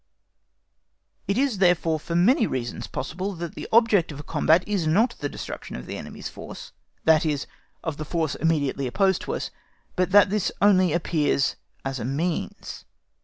It is therefore for many reasons possible that the object of a combat is not the destruction of the enemy's force, that is, of the force immediately opposed to us, but that this only appears as a means.